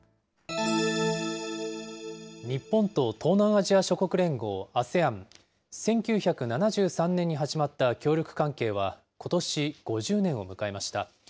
日本と東南アジア諸国連合・ＡＳＥＡＮ、１９７３年に始まった協力関係は、ことし５０年を迎えました。